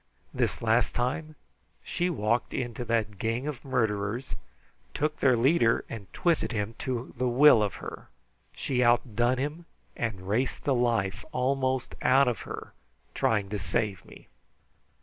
This last time she walked into that gang of murderers, took their leader, and twisted him to the will of her. She outdone him and raced the life almost out of her trying to save me.